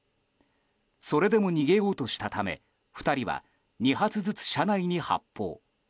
それでも逃げようとしたため２人は２発ずつ車内に発砲。